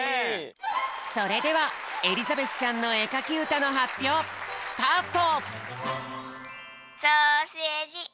それではエリザベスちゃんのえかきうたのはっぴょう！スタート！